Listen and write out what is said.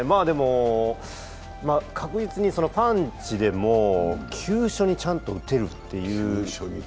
確実にパンチでも急所にちゃんと打てるという。